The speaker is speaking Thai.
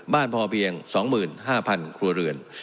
บ้านพ่อเบียง๒๕๐๐๐ครัวเรือน